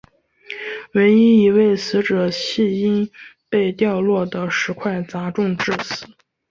唯一一位死者系因被掉落的石块砸中致死。